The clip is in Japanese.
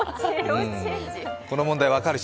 この問題、分かる人？